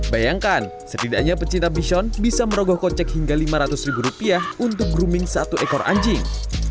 bayangkan setidaknya pecinta bison bisa merogoh kocek hingga lima ratus ribu rupiah untuk grooming satu ekor anjing